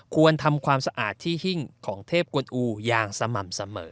ควรทำความสะอาดที่หิ้งของเทพกวนอูอย่างสม่ำเสมอ